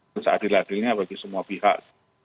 seadil adilnya bagi semua pihak